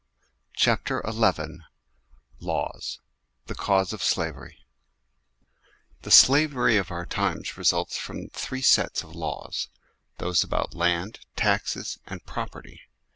CHAPTEK XI LAWS THE CAUSE OF SLAVERY THE slavery of our times results from three ssts of laws : those about land, taxes, and property.